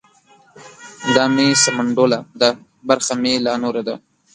ـ دا مې سمنډوله ده برخه مې لا نوره ده.